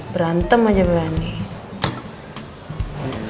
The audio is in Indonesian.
berantem aja banget nih